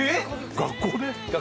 学校で！？